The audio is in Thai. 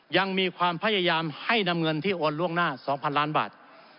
ยังมีความพยายามให้นำเงินที่โอนล่วงหน้า๒๐๐ล้านบาท